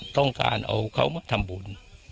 ต้องการเอาเขามาทำบุญ